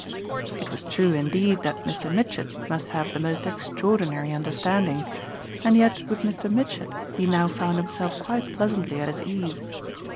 It was true indeed that Mr. Mitchett must have the most extraordinary understanding, and yet with Mr. Mitchett he now found himself quite pleasantly at his ease.